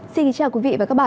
xin chào quý vị và các bạn